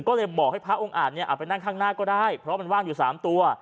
ก็เลยบอกให้พระองค์อาจเอาไปนั่งข้างหน้าก็ได้เพราะมันว่างอยู่๓ตัว